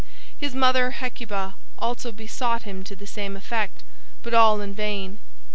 His mother, Hecuba, also besought him to the same effect, but all in vain.